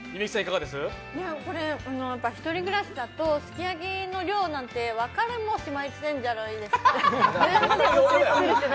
これ、１人暮らしだとすき焼きの量なんて分かりもしませんじゃないですか。